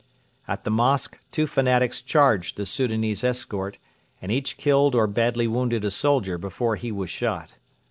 At the mosque two fanatics charged the Soudanese escort, and each killed or badly wounded a soldier before he was shot.